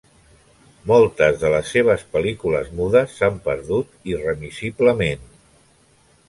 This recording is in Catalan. Moltes de les seves pel·lícules mudes s'han perdut irremissiblement.